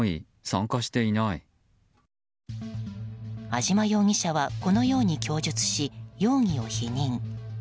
安島容疑者はこのように供述し、容疑を否認。